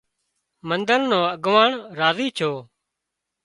منۮر نو اڳواڻ راضي ڇو